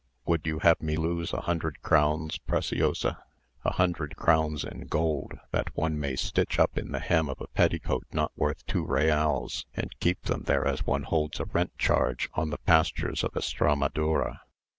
Would you have me lose a hundred crowns, Preciosa? A hundred crowns in gold that one may stitch up in the hem of a petticoat not worth two reals, and keep them there as one holds a rent charge on the pastures of Estramadura!